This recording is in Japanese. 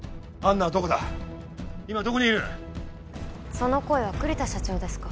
その声は栗田社長ですか。